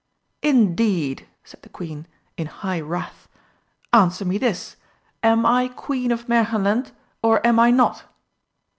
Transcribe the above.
"Indeed?" said the Queen, in high wrath. "Answer me this: Am I Queen of Märchenland, or am I not?"